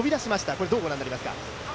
これ、どうご覧になりますか？